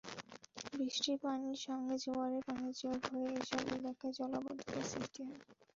বৃষ্টির পানির সঙ্গে জোয়ারের পানি যোগ হয়ে এসব এলাকায় জলাবদ্ধতা সৃষ্টি হয়।